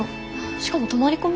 しかも泊まり込み？